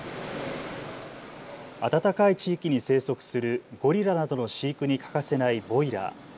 暖かい地域に生息するゴリラなどの飼育に欠かせないボイラー。